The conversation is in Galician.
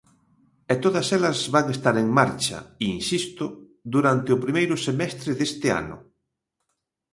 E todas elas van estar en marcha –insisto– durante o primeiro semestre deste ano.